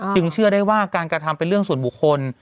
เชื่อได้ว่าการกระทำเป็นเรื่องส่วนบุคคล